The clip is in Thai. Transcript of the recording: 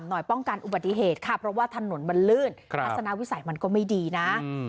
ป้องกันอุบัติเหตุค่ะเพราะว่าถนนมันลื่นทัศนวิสัยมันก็ไม่ดีนะ